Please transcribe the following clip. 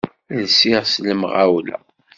Lsiɣ s lemɣawla.